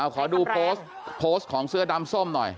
ขอดูโพสต์โพสต์ของเสื้อดำส้มหน่อย